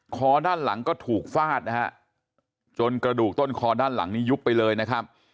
คอด้านหลังก็ถูกฟาดนะฮะจนกระดูกต้นคอด้านหลังนี้ยุบไปเลยนะครับ